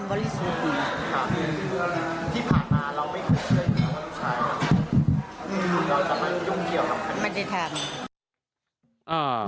เราจะไม่รู้ยุ่งเที่ยวกับเค้าไม่ได้แทน